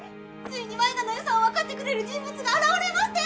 ついに舞菜のよさを分かってくれる人物が現れました